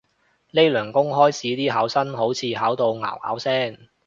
呢輪公開試啲考生好似考到拗拗聲